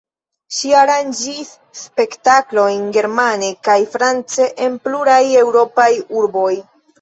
Ŝi aranĝis spektaklojn germane kaj france en pluraj eŭropaj urboj.